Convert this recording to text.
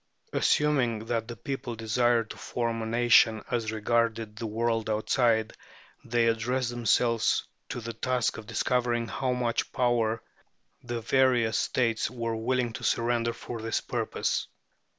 Assuming that the people desired to form a nation as regarded the world outside, they addressed themselves to the task of discovering how much power the various States were willing to surrender for this purpose.